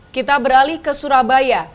kita beralih ke surabaya